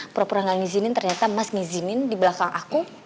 pura pura gak ngizinin ternyata mas ngizinin di belakang aku